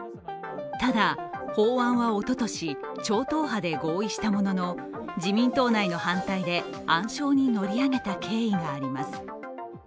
ただ法案はおととし、超党派で合意したものの自民党内の反対で暗礁に乗り上げた経緯があります。